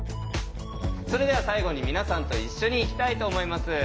それでは最後に皆さんと一緒にいきたいと思います。